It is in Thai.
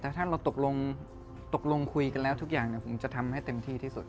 ตกลงคุยกันแล้วทุกอย่างเนี่ยผมจะทำให้เต็มที่ที่สุด